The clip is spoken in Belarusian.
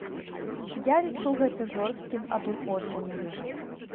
Я лічу гэта жорсткім абыходжаннем.